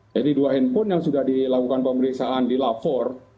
jadi dua handphone yang sudah dilakukan pemeriksaan dilapor